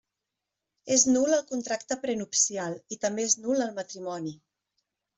És nul el contracte prenupcial, i també és nul el matrimoni.